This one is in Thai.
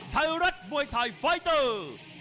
ไทยรัฐมวยไทยไฟเตอร์